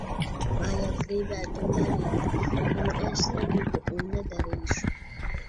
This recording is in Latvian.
Vajag gribēt un darīt. Un es negribu un nedarīšu.